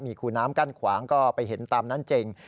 มีคูน้ำกั้นขวางก็ไปเห็นตามนั้นจริง